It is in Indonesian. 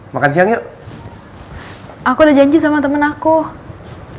paling enggak bisa lebih mencuba